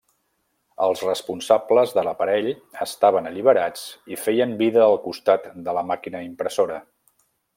Els responsables de l'aparell estaven alliberats i feien vida al costat de la màquina impressora.